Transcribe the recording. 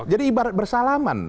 jadi ibarat bersalaman